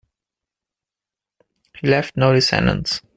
He left no descendants.